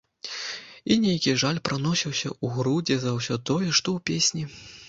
І нейкі жаль праносіўся ў грудзі за ўсё тое, што ў песні.